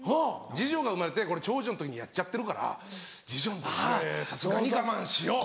次女が生まれて長女の時にやっちゃってるから次女の時これさすがに我慢しよう。